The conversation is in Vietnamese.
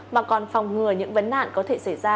mà còn phòng ngừa những vấn nạn có thể xảy ra